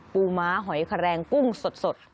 ม้าหอยแครงกุ้งสด